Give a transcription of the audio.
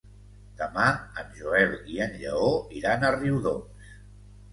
Demà en Joel i en Lleó iran a Riudoms.